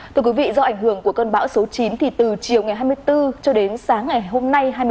từ cuối vị do ảnh hưởng của cơn bão số chín thì từ chiều ngày hai mươi bốn cho đến sáng ngày hôm nay